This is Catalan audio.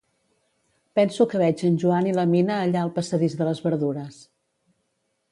Penso que veig en Joan i la Mina allà al passadís de les verdures.